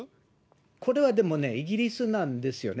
これはでもね、イギリスなんですよね。